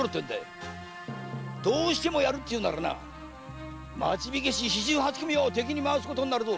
どうしてもやるっていうなら町火消四十八組を敵に回すことになるぞ。